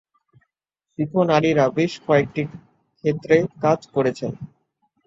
শিখ নারীরা বেশ কয়েকটি ক্ষেত্রে কাজ করছেন,।